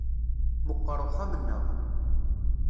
Meqqer uxxam-nneɣ.